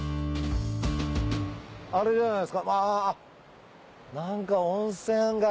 あれじゃないですか？